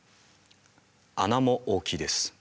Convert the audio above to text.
穴も大きいです。